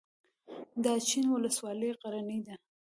د اچین ولسوالۍ غرنۍ ده